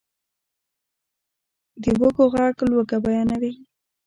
د وږو ږغ لوږه بیانوي.